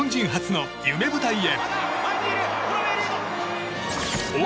日本人初の夢舞台へ。